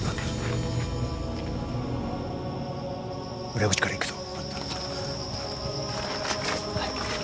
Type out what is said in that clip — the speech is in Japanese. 裏口から行くぞ。